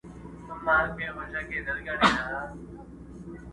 چي په ښكلي وه باغونه د انګورو؛